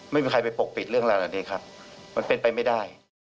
ไม่มีใครไปปกปิดเรื่องราวเหล่านี้ครับมันเป็นไปไม่ได้